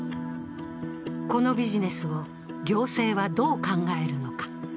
このビジネスを行政はどう考えるのか。